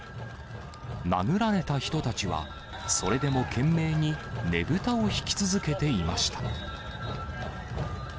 殴られた人たちは、それでも懸命にねぶたを引き続けていました。